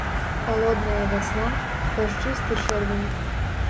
Халодная вясна, дажджысты чэрвень.